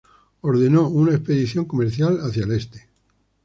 Ordenó una expedición comercial hacia el este.